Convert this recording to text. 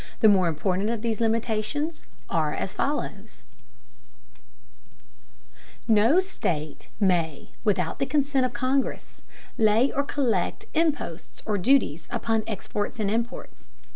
The more important of these limitations are as follows: No state may, without the consent of Congress, lay or collect imposts and duties upon exports and imports.